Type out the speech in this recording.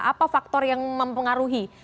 apa faktor yang mempengaruhi